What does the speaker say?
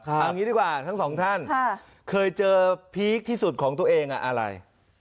เอางี้ดีกว่าทั้งสองท่านเคยเจอพีคที่สุดของตัวเองอะไร